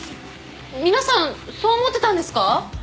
皆さんそう思ってたんですか？